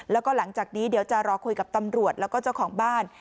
แล้วก็หลังจากนี้เดี๋ยวจะรอคุยกับตำรวจแล้วก็เจ้าของบ้าน